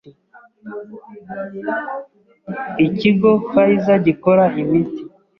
Ikigo Pfizer gikora imiti,